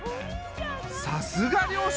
さすが漁師